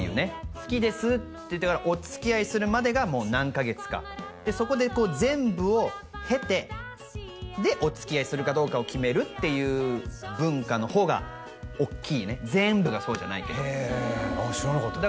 「好きです」って言ってからおつきあいするまでが何カ月かでそこで全部をへてでおつきあいするかどうかを決めるっていう文化の方が大きいね全部がそうじゃないけどへえ知らなかったです